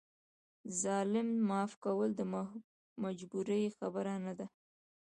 ظالم معاف کول د مجبورۍ خبره نه ده.